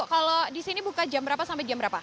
kalau di sini buka jam berapa sampai jam berapa